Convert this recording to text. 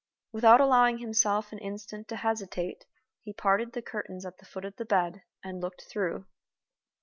Without allowing himself an instant to hesitate, he parted the curtains at the foot of the bed, and looked through.